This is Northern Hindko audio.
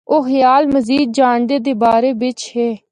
او خیال مزید جانڑے دے بارے بچ ہے۔